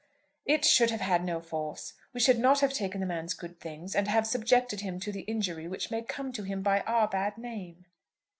"It should have had no force. We should not have taken the man's good things, and have subjected him to the injury which may come to him by our bad name."